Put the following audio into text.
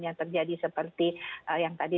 yang terjadi seperti yang tadi